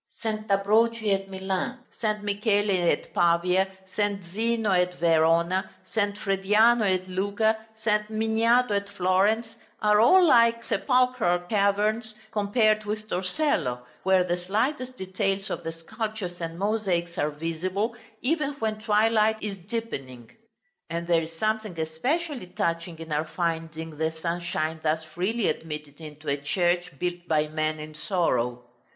St. Ambrogio at Milan, St. Michele at Pavia, St. Zeno at Verona, St. Frediano at Lucca, St. Miniato at Florence, are all like sepulchral caverns compared with Torcello, where the slightest details of the sculptures and mosaics are visible, even when twilight is deepening. And there is something especially touching in our finding the sunshine thus freely admitted into a church built by men in sorrow.